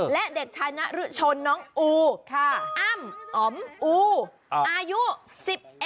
และเด็กชายนรชนน้องอู้อ้ำอ๋อมอูอายุ๑๑